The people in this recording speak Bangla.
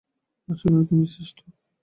আর সেখানে, তুমিই শ্রেষ্ঠ।